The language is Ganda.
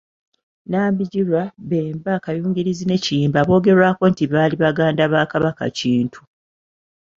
Nambigirwa, Bemba, Kayungirizi ne Kiyimba boogerwako nti baali baganda ba Kabaka Kintu